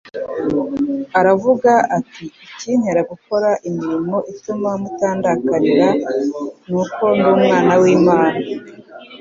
Aravuga ati: ikintera gukora imirimo ituma mundakarira ni uko ndi Umwana w'Imana,